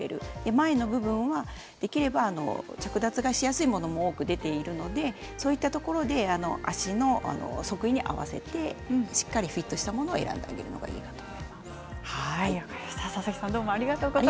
前の部分はできれば着脱がしやすいものも多く出ているのでそういったところで足に合わせてフィットしたものを選んであげるのがいいと思います。